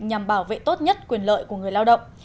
nhằm bảo vệ tốt nhất quyền lợi của người lao động